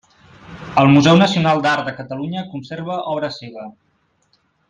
El Museu Nacional d'Art de Catalunya conserva obra seva.